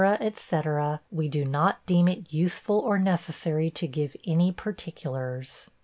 &c., we do not deem it useful or necessary to give any particulars.